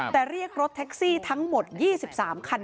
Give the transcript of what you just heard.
แต่เรียกรถแท็กซี่ทั้งหมด๒๓คัน